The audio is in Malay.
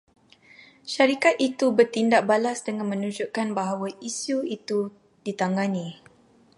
Syarikat itu bertindak balas dengan menunjukkan bahawa isu itu ditangani